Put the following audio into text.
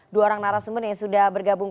dua orang narasumber yang sudah bergabung